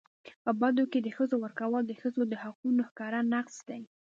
په بدو کي د ښځو ورکول د ښځو د حقونو ښکاره نقض دی.